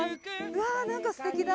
うわ何かすてきだ。